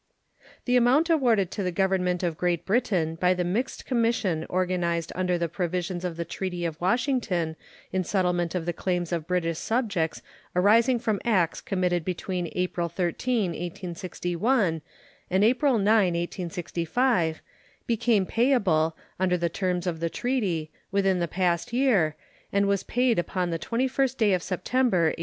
The amount awarded to the Government of Great Britain by the mixed commission organized under the provisions of the treaty of Washington in settlement of the claims of British subjects arising from acts committed between April 13, 1861, and April 9, 1865, became payable, under the terms of the treaty, within the past year, and was paid upon the 21st day of September, 1874.